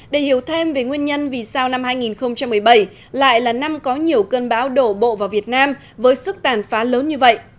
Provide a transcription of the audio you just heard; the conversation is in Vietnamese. để hiểu thêm về nguyên nhân vì sao năm hai nghìn một mươi bảy lại là năm có nhiều cơn bão đổ bộ vào việt nam với sức tàn phá lớn như vậy